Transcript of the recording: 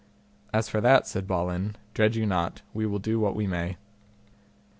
As for that, said Balin, dread you not, we will do what we may.